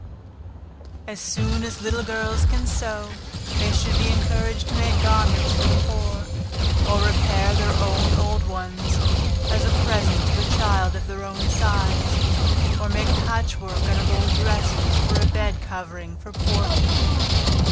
As soon as little girls can sew, they should be encouraged to make garments for the poor, or repair their own old ones as a present to a child of their own size, or make patchwork out of old dresses for a bed covering for poor people.